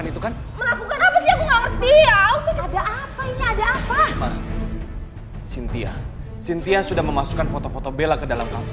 sintia sintia sudah memasukkan foto foto bella ke dalam kamu